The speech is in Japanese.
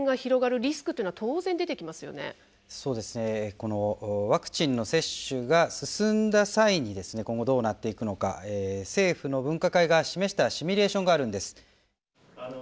このワクチンの接種が進んだ際に今後どうなっていくのか政府の分科会が示したシミュレーションがあるんです。